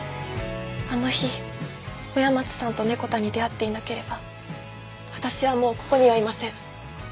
あの日親松さんとネコ太に出会っていなければ私はもうここにはいません。